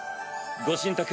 ご神託